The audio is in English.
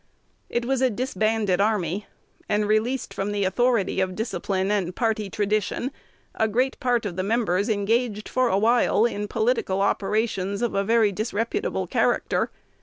It was a disbanded army; and, released from the authority of discipline and party tradition, a great part of the members engaged for a while in political operations of a very disreputable character.